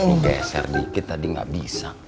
tunggu geser dikit tadi gak bisa